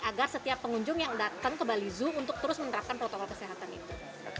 agar setiap pengunjung yang datang ke bali zoo untuk terus menerapkan protokol kesehatan itu